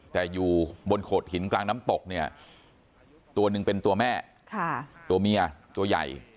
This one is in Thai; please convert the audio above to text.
แต่อยู่บนโขดหินกลางน้ำตกเนี่ยตัวหนึ่งเป็นตัวแม่ตัวเมียตัวใหญ่